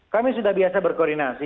kami sudah biasa berkoordinasi